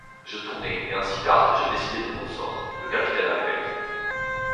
Je tournai, et en six cartes je décidai de mon sort ; le capitaine avait gagné.